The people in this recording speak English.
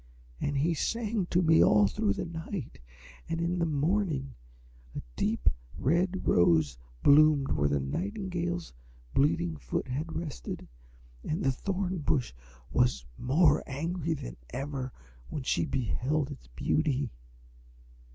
And he sang to me all through the night, and in the morning a deep, red Rose bloomed where the nightingale's bleeding foot had rested, and the Thorn Bush was more angry than ever when she beheld its beauty.